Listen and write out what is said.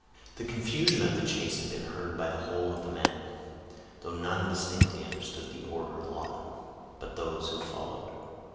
The confusion of the chase had been heard by the whole of the men, though none distinctly understood the order of Lawton but those who followed.